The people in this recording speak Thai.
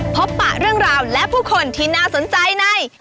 ปะเรื่องราวและผู้คนที่น่าสนใจใน